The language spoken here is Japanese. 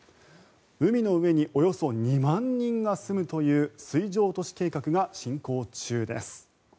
海の上におよそ２万人が住むという水上都市計画が進行中です。